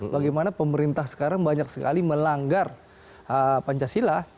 bagaimana pemerintah sekarang banyak sekali melanggar pancasila